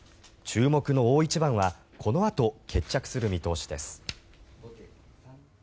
注目の大一番はこのあと決着する見通しです。